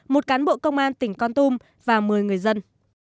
một cán bộ công an tỉnh con tum và một mươi người dân